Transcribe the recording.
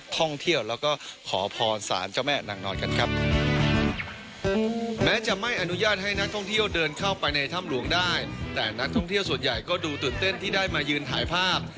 ท่องเที่ยวเดินเข้าไปในท่ำหลวงได้แต่นักท่องเที่ยวส่วนใหญ่ก็ดูตื่นเต้นที่ได้มายืนถ่ายภาพ